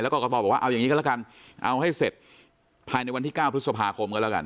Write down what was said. กรกตบอกว่าเอาอย่างนี้ก็แล้วกันเอาให้เสร็จภายในวันที่๙พฤษภาคมก็แล้วกัน